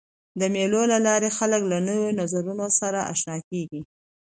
د مېلو له لاري خلک له نوو نظرونو سره آشنا کيږي.